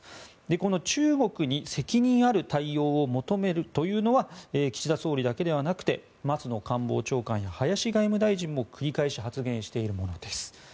この中国に責任ある対応を求めるというのは岸田総理だけではなくて松野官房長官や林外務大臣も繰り返し発言しているものです。